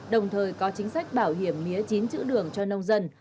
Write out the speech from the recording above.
đồng thời có chính sách bảo hiểm mía chín chữ đường cho nông dân